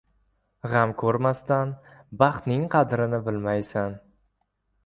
• G‘am ko‘rmasdan baxtning qadrini bilmaysan.